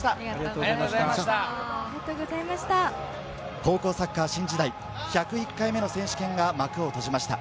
高校サッカー新時代、１０１回目の選手権が幕を閉じました。